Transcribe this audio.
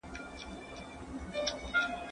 د مطالعې موضوع د هر علم لپاره ټاکل سوې ده.